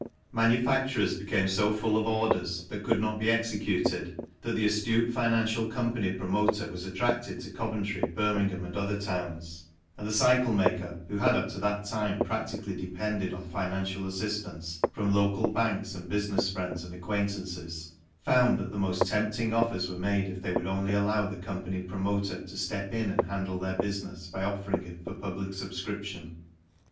Manufacturers became so full of orders that could not be executed that the astute financial company promoter was attracted to Coventry, Birmingham, and other towns, and the cycle maker, who had up to that time practically depended on financial assistance from local banks and business friends and acquaintances, found that the most tempting offers were made if they would only allow the company promoter to step in and handle their business by offering it for public subscription.